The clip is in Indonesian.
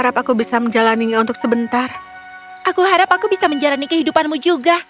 aku harap aku bisa menjalani kehidupanmu juga